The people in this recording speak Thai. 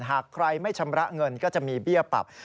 หากใครไม่ชำระเงินก็จะมีเบี้ยปรับ